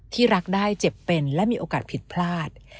ที่รักได้เจ็บเป็นและมีโอกาสผิดพลาด